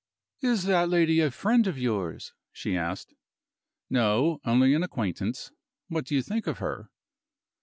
"Is that lady a friend of yours?" she asked. "No; only an acquaintance. What do you think of her?"